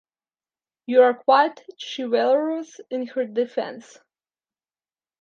You are quite chivalrous in her defence.